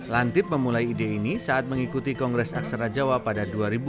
lantip memulai ide ini saat mengikuti kongres aksara jawa pada dua ribu dua puluh